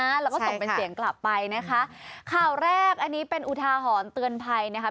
แล้วก็ส่งเป็นเสียงกลับไปนะคะข่าวแรกอันนี้เป็นอุทาหรณ์เตือนภัยนะคะ